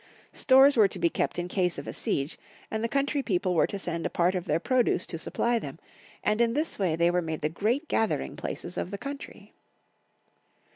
Stores were to be kept in case of a siege, and the country people were to send in a part of their produce to supply them, and in this way they were made the great gathering places of the coxmtry.